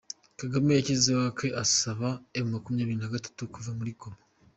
kagame yashyizeho ake asaba M makumyabiri nagatatu kuva muri Goma